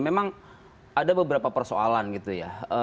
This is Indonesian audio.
memang ada beberapa persoalan gitu ya